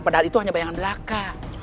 padahal itu hanya bayangan belaka